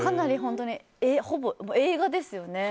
ほぼ映画ですよね。